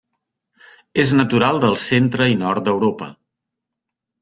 És natural del centre i nord d'Europa.